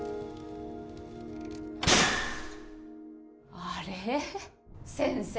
あれっ先生